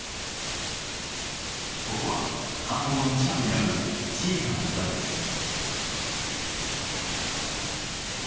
ここは炭鉱の近くにある小さな村です。